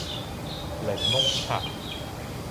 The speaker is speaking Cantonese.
檸檬茶